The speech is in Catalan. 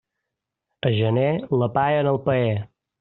A gener, la palla en el paller.